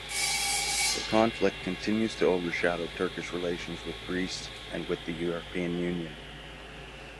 The conflict continues to overshadow Turkish relations with Greece and with the European Union.